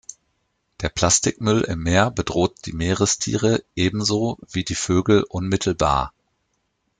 Der Plastikmüll im Meer bedroht die Meerestiere ebenso wie die Vögel unmittelbar.